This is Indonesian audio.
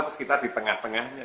terus kita di tengah tengahnya